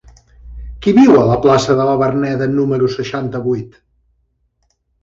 Qui viu a la plaça de la Verneda número seixanta-vuit?